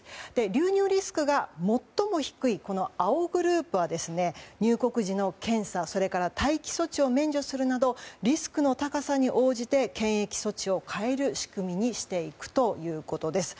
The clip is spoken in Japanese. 流入リスクが最も低い青グループは入国時の検査、それから待機措置を免除するなどリスクの高さに応じて検疫措置を変える仕組みにしていくということです。